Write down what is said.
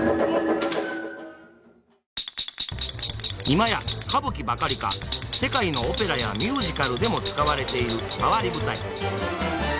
今や歌舞伎ばかりか世界のオペラやミュージカルでも使われている回り舞台。